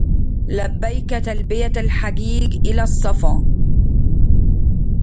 لبيك تلبية الحجيج إلى الصفا